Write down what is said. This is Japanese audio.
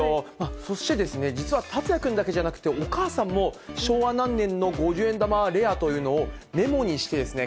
そしてですね、実は達哉君だけじゃなくて、お母さんも昭和何年の五十円玉はレアというのをメモにしてですね、